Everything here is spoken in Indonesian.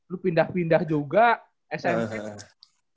lu pindah pindah juga smp